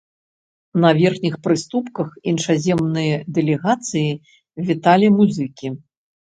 На верхніх прыступках іншаземныя дэлегацыі віталі музыкі.